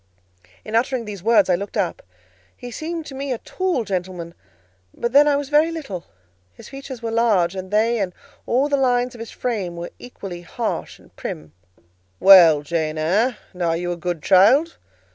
In uttering these words I looked up: he seemed to me a tall gentleman; but then I was very little; his features were large, and they and all the lines of his frame were equally harsh and prim. "Well, Jane Eyre, and are you a good child?"